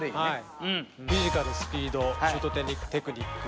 フィジカルスピードシュートテクニック。